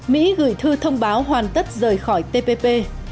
mỹ gửi thư thông báo hoàn tất rời khỏi tpp